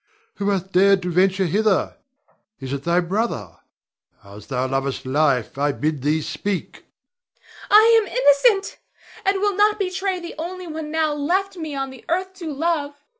Who hath dared to venture hither? Is it thy brother? As thou lovest life, I bid thee speak. Theresa. I am innocent, and will not betray the only one now left me on the earth to love.